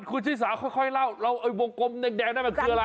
โอ้ยอ่ะคุณชื่อสาวค่อยค่อยเล่าเราเอาวงกลมแดงแดงนั่นมันคืออะไร